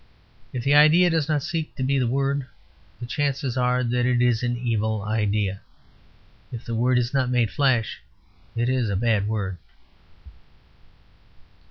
If the idea does not seek to be the word, the chances are that it is an evil idea. If the word is not made flesh it is a bad word.